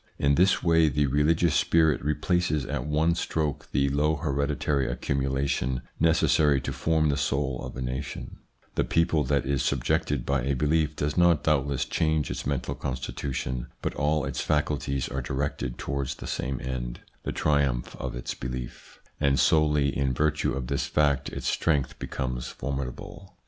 In this way the religious spirit replaces at one stroke the slow hereditary accumulation necessary to form the soul of a nation, The people that is subjugated by a belief does not doubtless change its mental constitution, but all its faculties are directed towards the same end the ITS INFLUENCE ON THEIR EVOLUTION 195 triumph of its belief and solely in virtue of this fact its strength becomes formidable.